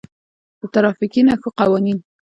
د ترافیکي نښو قوانین: